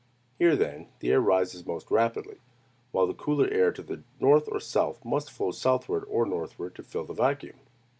Here, then, the air rises most rapidly; while the cooler air to the north or south must flow southward or northward to fill the vacuum.